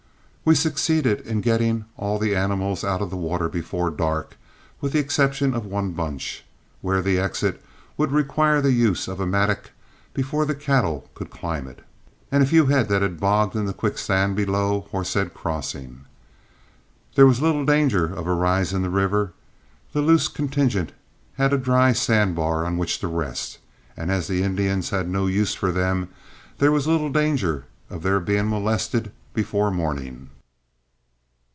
We succeeded in getting all the animals out of the water before dark, with the exception of one bunch, where the exit would require the use of a mattock before the cattle could climb it, and a few head that had bogged in the quicksand below Horsehead Crossing. There was little danger of a rise in the river, the loose contingent had a dry sand bar on which to rest, and as the Indians had no use for them there was little danger of their being molested before morning.